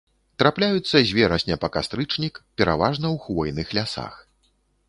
Трапляюцца з верасня па кастрычнік пераважна ў хвойных лясах.